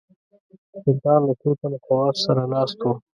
سلطان له څو تنو خواصو سره ناست وو.